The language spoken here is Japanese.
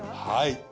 はい。